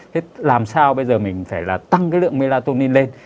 thế làm sao bây giờ mình phải là tăng cái lượng melatonin lên